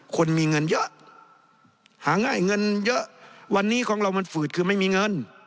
คนมีเงินเยอะหาง่ายเงินเยอะวันนี้ของเรามันฝืดคือไม่มีเงิน